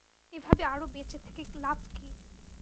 এভাবে আরো বেঁচে থেকে লাভ কী?